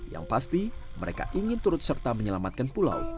yang pasti mereka ingin turut serta menyelamatkan pulau